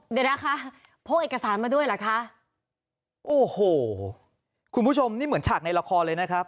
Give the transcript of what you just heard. เดี๋ยวนะคะพกเอกสารมาด้วยเหรอคะโอ้โหคุณผู้ชมนี่เหมือนฉากในละครเลยนะครับ